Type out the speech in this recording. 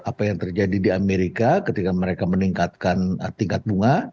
apa yang terjadi di amerika ketika mereka meningkatkan tingkat bunga